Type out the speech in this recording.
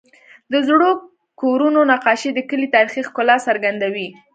د زړو کورونو نقاشې د کلي تاریخي ښکلا څرګندوي.